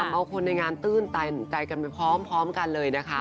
เอาคนในงานตื้นใจกันไปพร้อมกันเลยนะคะ